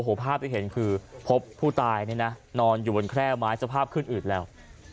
โอ้โหภาพที่เห็นคือพบผู้ตายเนี่ยนะนอนอยู่บนแคร่ไม้สภาพขึ้นอืดแล้ว